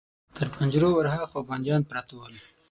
تر پنجرو ور هاخوا بنديان پراته ول.